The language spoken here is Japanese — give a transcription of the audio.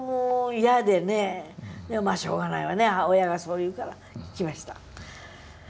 でもまあしょうがないわね親がそう言うから着ました。